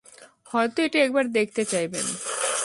হয়ত এটা একবার দেখতে চাইবেন।